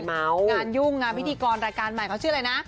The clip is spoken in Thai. งานยุ่งงานพิธีกรรายการใหม่เขาชื่ออะไรนะ